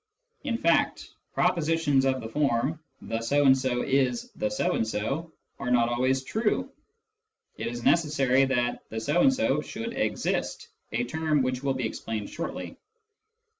In fact, propositions of the form " the so and so is the so and so " are not always true : it is necessary that the so and so should exist (a term which will be explained shortly).